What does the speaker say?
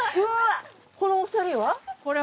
このお二人は？